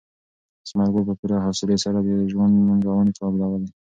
ثمر ګل په پوره حوصلې سره د ژوند ننګونې قبلولې.